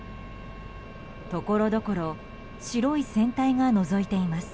ところどころ白い船体がのぞいています。